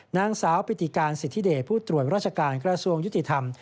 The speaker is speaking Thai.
นางสาวปิติการสิทธิเดชผู้ตรวจราชการกระทรวงยุติธรรม